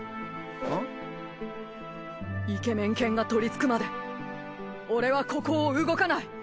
イケメン犬がとりつくまで俺はここを動かない！